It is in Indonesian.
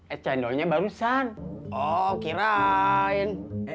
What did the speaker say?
ecandonya barusan oh kirain